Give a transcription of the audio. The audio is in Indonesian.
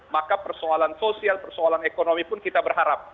maka persoalan sosial persoalan ekonomi pun kita berharap